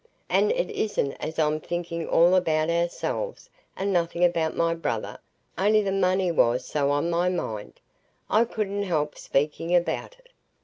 And it isn't as I'm thinking all about ourselves, and nothing about my brother, only the money was so on my mind, I couldn't help speaking about it.